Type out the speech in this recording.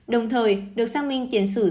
đồng thời được xác minh tiền sử